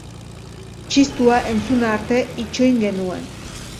Txistua entzun arte itxoin genuen.